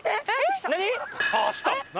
何？